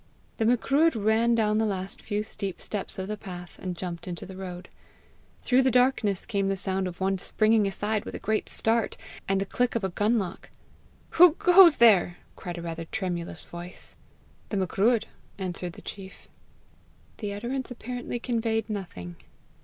The Macruadh ran down the last few steep steps of the path, and jumped into the road. Through the darkness came the sound of one springing aside with a great start, and the click of a gun lock. "Who goes there?" cried a rather tremulous voice. "The Macruadh," answered the chief. The utterance apparently conveyed nothing.